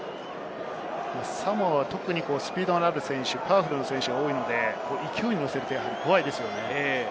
サモアは特にスピードのある選手、パワフルな選手が多いので、勢いに乗せると怖いですよね。